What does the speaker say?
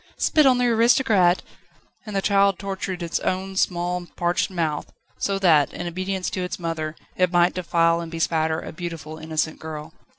"Spit on the aristocrat!" And the child tortured its own small, parched mouth so that, in obedience to its mother, it might defile and bespatter a beautiful, innocent girl.